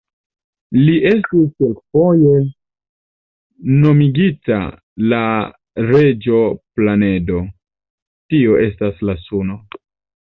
Li estis kelkfoje nomigita la "Reĝo-Planedo", tio estas la Suno.